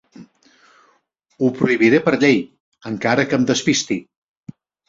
Ho prohibiré per llei encara que em despisti.